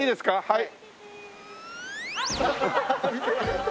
はい！